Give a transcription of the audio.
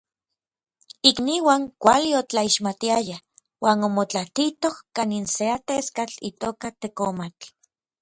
Ikniuan kuali otlaixmatiayaj uan omotlaatitoj kanin se ateskatl itoka Tekomatl.